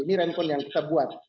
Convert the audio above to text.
ini handphone yang kita buat